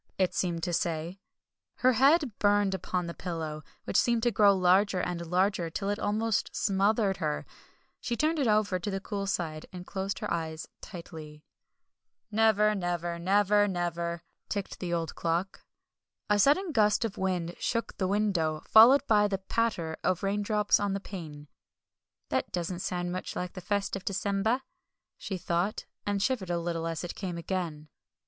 it seemed to say. Her head burned upon the pillow, which seemed to grow larger and larger, till it almost smothered her. She turned it over to the cool side, and closed her eyes tightly. "Never never! Never never!" ticked the old clock. A sudden gust of wind shook the window, followed by the patter of raindrops on the pane. "That doesn't sound much like the first of December," she thought, and shivered a little as it came again.